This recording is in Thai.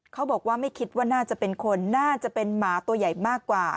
เขาบอกว่าไม่คิดว่าน่าจะเป็นคนน่าจะเป็นหมาตัวใหญ่มากกว่า